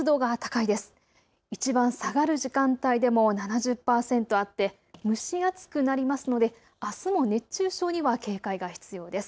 いちばん下がる時間帯でも７０％あって蒸し暑くなりますのであすも熱中症には警戒が必要です。